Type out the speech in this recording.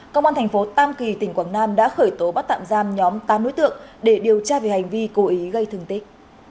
công an thành phố tam kỳ tỉnh quảng nam đã khởi tố bắt tạm giam nhóm tám đối tượng để điều tra về hành vi cố ý gây thương tích